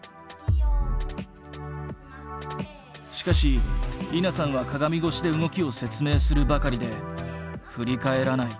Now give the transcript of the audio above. しかし莉菜さんは鏡越しで動きを説明するばかりで振り返らない。